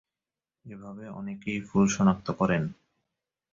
এভাবে অনেকেই ফুল শনাক্ত করেন।